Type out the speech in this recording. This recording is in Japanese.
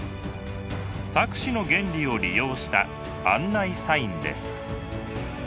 錯視の原理を利用した案内サインです。